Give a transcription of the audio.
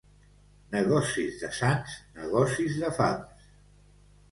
Negocis de sants, negocis de fams.